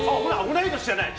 同い年じゃない！